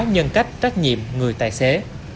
nhân cách trách nhiệm người tài xế